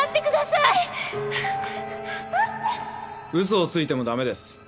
嘘をついても駄目です。